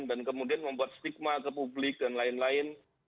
dan kemudian membuat stigma ke publik dan lain lain